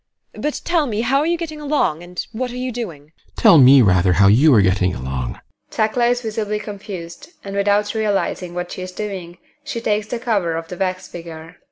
But tell me how you are getting along and what you are doing? GUSTAV. Tell me rather how you are getting along? (TEKLA is visibly confused, and without realising what she is doing, she takes the cover off the wax figure.)